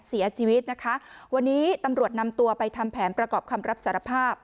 เสียชีวิตนะคะวันนี้ตำรวจนำตัวไปทำแผนประกอบคำรับสารภาพ